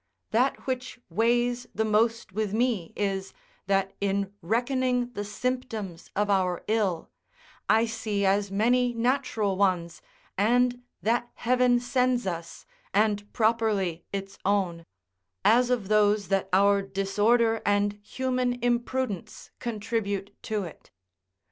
That which weighs the most with me is, that in reckoning the symptoms of our ill, I see as many natural ones, and that Heaven sends us, and properly its own, as of those that our disorder and human imprudence contribute to it.